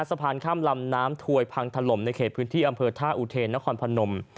สะพานข้ามลำน้ำถวยพังถล่มในเขตพื้นที่อำเภอท่าอุเทนนครพนม